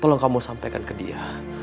tolong kamu sampaikan ke dia